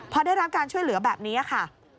พอได้รับการช่วยเหลือแบบนี้ค่ะ